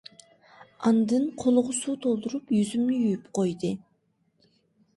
ئاندىن قولىغا سۇ تولدۇرۇپ يۈزۈمنى يۇيۇپ قويدى.